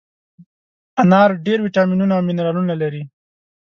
انار ډېر ویټامینونه او منرالونه لري.